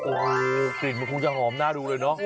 โอ้โหกลิ่นมันคงจะหอมน่าดูเลยเนาะ